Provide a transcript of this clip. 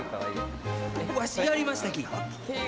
わし、やりましたき！